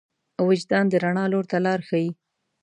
وجدان د رڼا لور ته لار ښيي.